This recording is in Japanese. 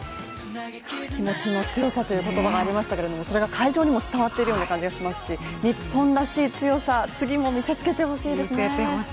気持ちの強さという言葉もありましたけどそれが会場にも伝わっているような感じがしますし日本の強さ、次も見せつけてほしいですね。